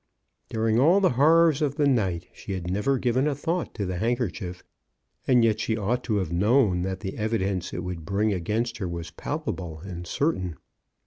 During all the horrors of the night she had never given a thought to the handkerchief, and yet she ought to have known that the evidence it would bring against her was palpable and cer tain.